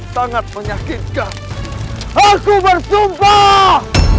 sangat menyakitkan aku bersumpah